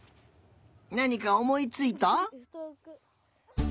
なにかおもいついた？